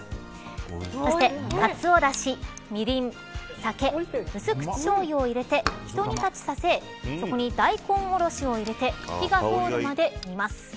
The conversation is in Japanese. そして、かつおだし、みりん酒、薄口しょうゆを入れてひと煮立ちさせそこに大根おろしを入れて火が通るまで煮ます。